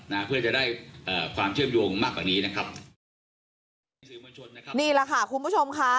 นี่แล้วค่ะคุณผู้ชมค่ะ